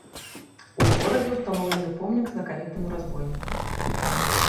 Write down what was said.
У горадзе ўстаноўлены помнік знакамітаму разбойніку.